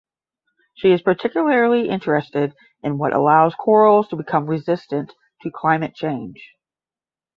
She is particularly interested in what allows corals to become resistant to climate change.